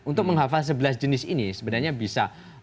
untuk menghafal sebelas jenis ini sebenarnya bisa